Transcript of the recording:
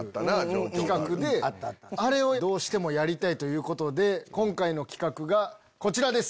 あれをどうしてもやりたいということで今回の企画がこちらです。